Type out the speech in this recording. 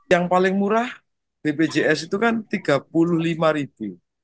yang paling murah bpjs itu kan rp tiga puluh lima ribu